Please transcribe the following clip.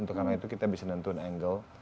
karena itu kita bisa menentukan angka